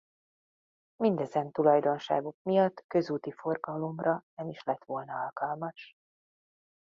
Mindezen tulajdonságok miatt közúti forgalomra nem is lett volna alkalmas.